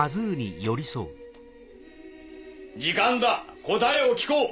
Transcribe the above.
時間だ答えを聞こう！